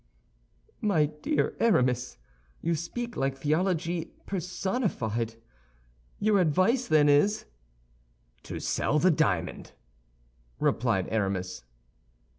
"My dear Aramis, you speak like theology personified. Your advice, then, is—" "To sell the diamond," replied Aramis.